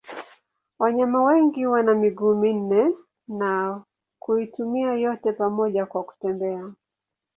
Wanyama wengi wana miguu minne na kuitumia yote pamoja kwa kutembea.